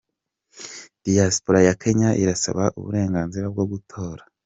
Diyasipora ya Kenya irasaba uburenganzira bwo gutora